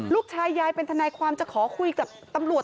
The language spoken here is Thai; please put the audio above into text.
ลูกชายยายเป็นทนายความจะขอคุยกับตำรวจ